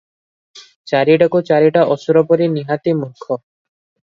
ଚାରିଟାକୁ ଚାରିଟା ଅସୁର ପରି ନିହାତି ମୂର୍ଖ ।